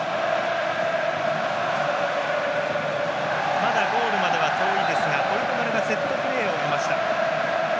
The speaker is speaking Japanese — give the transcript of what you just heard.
まだゴールまでは遠いですがポルトガルがセットプレーを得ました。